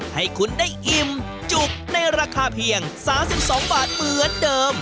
ให้คุณได้อิ่มจุกในราคาเพียง๓๒บาทเหมือนเดิม